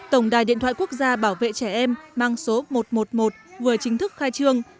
tổng đài điện thoại quốc gia bảo vệ trẻ em mang số một trăm một mươi một vừa chính thức khai trương